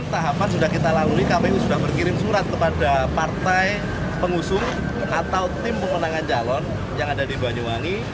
tahapan sudah kita lalui kpu sudah berkirim surat kepada partai pengusung atau tim pemenangan calon yang ada di banyuwangi